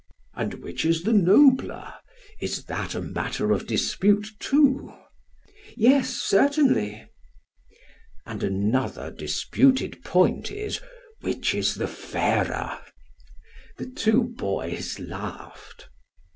"'And which is the nobler? Is that a matter of dispute too?' "'Yes, certainly.' "'And another disputed point is, which is the fairer?' "The two boys laughed.